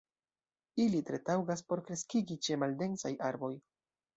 Ili tre taŭgas por kreskigi ĉe maldensaj arboj.